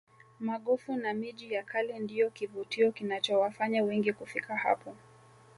magofu na miji ya kale ndiyo kivutio kinachowafanya wengi kufika hapo